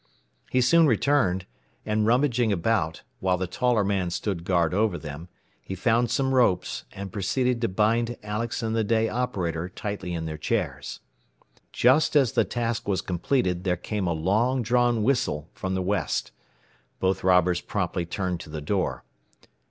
He soon returned, and rummaging about, while the taller man stood guard over them, he found some ropes, and proceeded to bind Alex and the day operator tightly in their chairs. Just as the task was completed there came a long drawn whistle from the west. Both robbers promptly turned to the door.